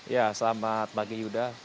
ya selamat pagi yuda